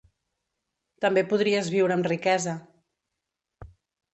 També podries viure amb riquesa.